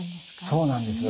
そうなんです。